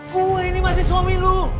gue ini masih suami lo